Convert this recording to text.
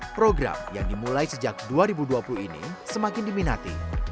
program yang dimulai sejak dua ribu dua puluh ini semakin diminati